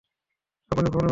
আপনি ভুল, মিঃ কার।